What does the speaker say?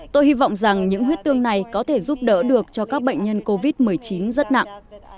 tôi hy vọng rằng những huyết tương này có thể giúp đỡ được cho các bệnh nhân covid một mươi chín rất nặng